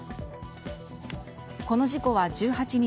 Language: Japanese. この事故は１８日